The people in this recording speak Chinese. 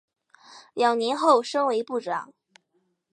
两年后升为部长。